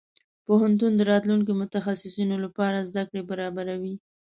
پوهنتون د راتلونکي متخصصينو لپاره زده کړې برابروي.